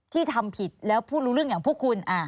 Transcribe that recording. ทำผิดแล้วผู้รู้เรื่องอย่างพวกคุณ